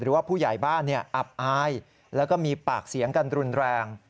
ว่าผู้ใหญ่บ้านอับอายแล้วก็มีปากเสียงกันรุนแรง